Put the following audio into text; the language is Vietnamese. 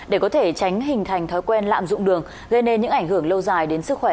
để có thể tránh hình thành thói quen lạm dụng đường gây nên những ảnh hưởng lâu dài đến sức khỏe